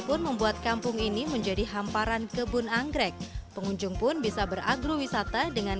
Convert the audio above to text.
pun membuat kampung ini menjadi hamparan kebun anggrek pengunjung pun bisa beragrowisata dengan